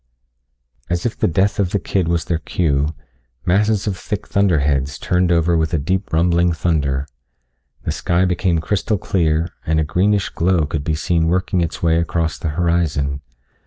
As if the death of the kid was their cue, masses of thick thunderheads turned over with a deep rumbling thunder. The sky became crystal clear, and a greenish glow could be seen working its way across the horizon.